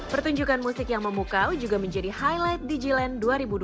pertunjukan musik yang memukau juga menjadi highlight digiland dua ribu dua puluh tiga